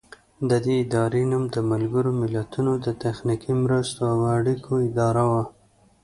د دې ادارې نوم د ملګرو ملتونو د تخنیکي مرستو او اړیکو اداره و.